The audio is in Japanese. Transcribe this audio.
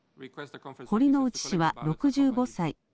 堀之内氏は６５歳。